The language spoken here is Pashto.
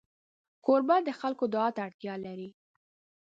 کوربه د خلکو دعا ته اړتیا لري.